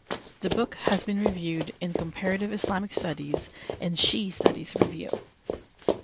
The book has been reviewed in "Comparative Islamic Studies" and "Shii Studies Review".